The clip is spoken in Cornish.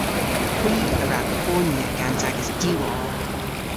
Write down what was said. Hwi a wra ponya gans agas diwarr.